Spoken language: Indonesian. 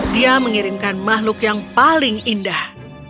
dia mengirimkan makhluk yang paling indah